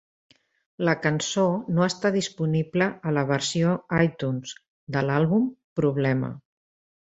La cançó no està disponible a la versió iTunes de l'àlbum "Problema".